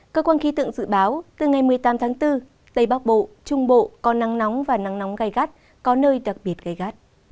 cơ quan khí tượng dự báo từ ngày một mươi tám tháng bốn tây bắc bộ trung bộ có nắng nóng và nắng nóng gai gắt có nơi đặc biệt gai gắt